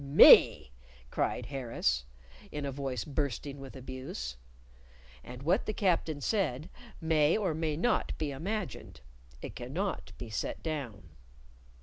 "Me?" cried Harris, in a voice bursting with abuse. And what the captain said may or may not be imagined. It cannot be set down.